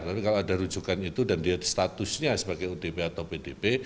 tapi kalau ada rujukan itu dan dia statusnya sebagai odp atau pdp